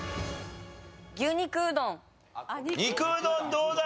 肉うどんどうだ？